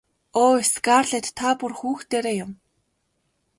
Өө Скарлетт та бүр хүүхдээрээ юм.